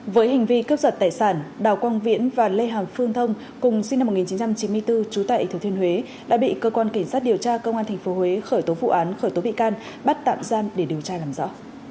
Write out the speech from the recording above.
với hành vi cướp giật tài sản đào quang viễn và lê hàng phương thông cùng sinh năm một nghìn chín trăm chín mươi bốn trú tại thừa thiên huế đã bị cơ quan cảnh sát điều tra công an tp huế khởi tố vụ án khởi tố bị can bắt tạm giam để điều tra làm rõ